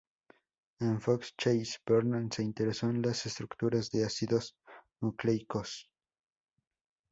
En Fox Chase, Berman se interesó en las estructuras de ácidos nucleicos.